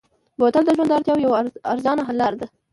بوتل د ژوند د اړتیاوو یوه ارزانه حل لاره ده.